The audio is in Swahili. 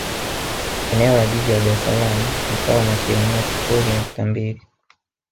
Eneo la Jiji la Dar es Salaam ni sawa na asilimia sifuri nukta mbili